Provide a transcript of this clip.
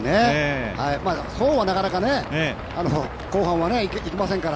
そうはなかなか、後半はいきませんから。